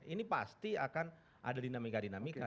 ini pasti akan ada dinamika dinamika